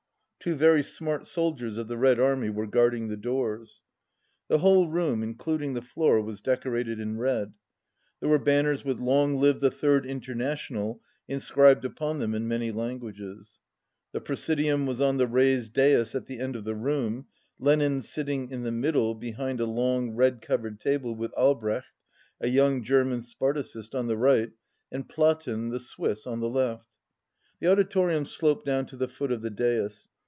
Two very smart sol diers of the Red Army were guarding the doors. The whole room, including the floor, was deco rated in red. There were banners with "Long Live the Third International" inscribed upon them in many languages. The Prsesidium was on the raised dais at the end of the room, Lenin sitting in the middle behind a long red covered table with Albrecht, a young German Spartacist, on the right and Flatten, the Swiss, on the left. The audito rium sloped down to the foot of the dais.